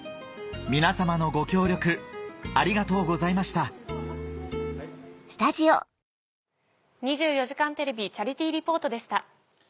皆様のご協力ありがとうございました「２４時間テレビチャリティー・リポート」でした。